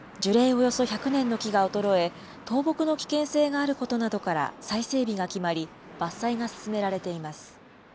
およそ１００年の木が衰え、倒木の危険性があることなどから再整備が決まり、伐採が進められています。